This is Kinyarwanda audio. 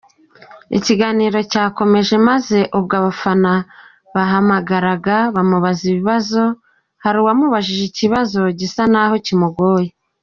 Ikiganiro cyakomeje maze ubwo abafana bahamagaraga bamubaza ibibazo, hari uwamubajije ikibazo gisa naho kimugoye.